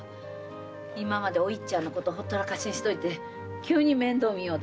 今までおいっちゃんのことほったらかしにしといて急に面倒みよう